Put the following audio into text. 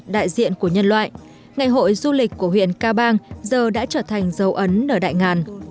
đại diện của nhân loại ngày hội du lịch của huyện ca bang giờ đã trở thành dấu ấn nơi đại ngàn